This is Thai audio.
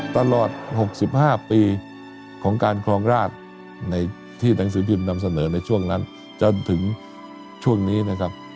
ตลอด๖๕ปีของการครองราชในที่หนังสือพิมพ์นำเสนอในช่วงนั้นจนถึงช่วงนี้นะครับ